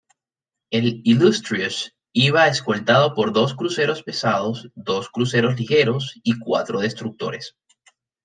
El "Illustrious" iba escoltado por dos cruceros pesados, dos cruceros ligeros y cuatro destructores.